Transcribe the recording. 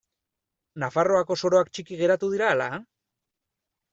Nafarroako soroak txiki geratu dira ala?